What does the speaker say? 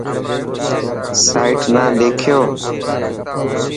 سائيٽ نا ڏيکو.